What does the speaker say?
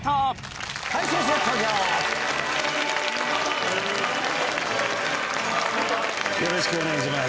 よろしくお願いします。